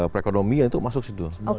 perekonomian itu masuk disitu